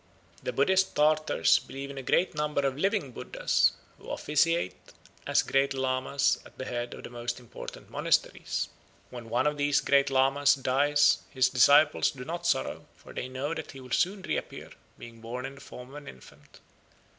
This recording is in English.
The Buddhist Tartars believe in a great number of living Buddhas, who officiate as Grand Lamas at the head of the most important monasteries. When one of these Grand Lamas dies his disciples do not sorrow, for they know that he will soon reappear, being born in the form of an infant.